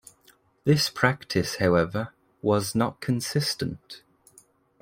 This practice, however, was not consistent.